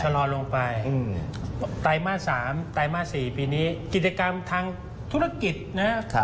ลอลงไปไตรมาส๓ไตรมาส๔ปีนี้กิจกรรมทางธุรกิจนะครับ